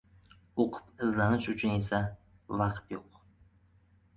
O‘qib-izlanish uchun esa… vaqt yo‘q!